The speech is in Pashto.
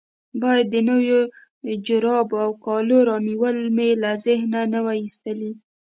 باید د نویو جرابو او کالو رانیول مې له ذهنه نه وای ایستلي.